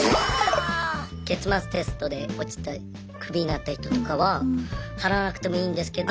月末テストで落ちてクビになった人とかは払わなくてもいいんですけど。